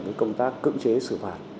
cái công tác cưỡng chế xử phạt